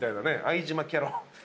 相島キャロ。